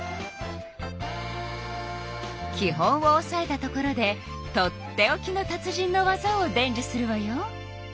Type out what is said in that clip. き本をおさえたところでとっておきの達人のわざを伝じゅするわよ！